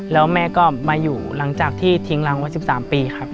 แล้วแม่ก็มาอยู่หลังจากที่ทิ้งรังไว้๑๓ปีครับ